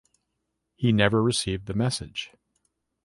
He never received the message.